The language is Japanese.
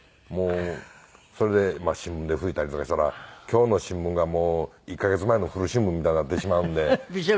それで新聞で拭いたりとかしたら今日の新聞が１カ月前の古新聞みたいになってしまうんで。